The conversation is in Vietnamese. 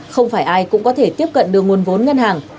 không phải ai cũng có thể tiếp cận được nguồn vốn ngân hàng